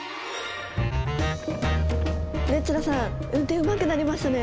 ルッチョラさん運転うまくなりましたね。